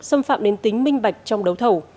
xâm phạm đến tính minh bạch trong đấu thầu